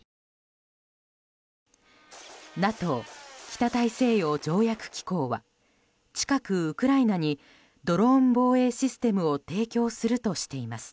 ＮＡＴＯ・北大西洋条約機構は近くウクライナにドローン防衛システムを提供するとしています。